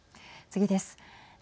次です。